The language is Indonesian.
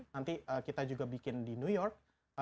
nanti kita juga bikin di new york